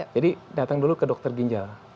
jadi datang dulu ke dokter ginjal